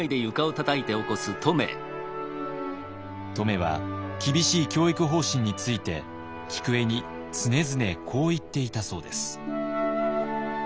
乙女は厳しい教育方針について菊栄に常々こう言っていたそうです。